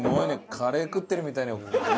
カレー食ってるみたいに。